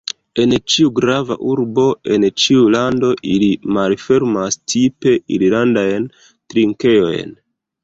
En ĉiu grava urbo, en ĉiu lando, ili malfermas “tipe irlandajn trinkejojn.